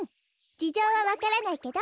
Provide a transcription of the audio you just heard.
じじょうはわからないけど。